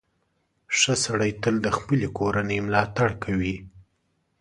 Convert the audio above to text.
• ښه سړی تل د خپلې کورنۍ ملاتړ کوي.